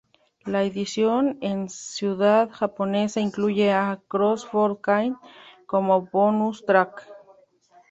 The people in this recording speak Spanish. La edición en cd japonesa incluye "A Cross For Cain" como bonus track.